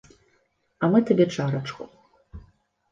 А мы табе чарачку.